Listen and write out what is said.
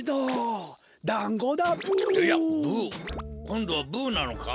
こんどはブなのか？